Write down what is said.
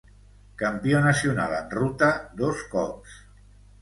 Campió nacional en ruta dos cops.